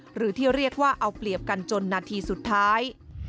หรือที่เรียกว่าเอาเปรียบกันจนนาทีสุดท้าย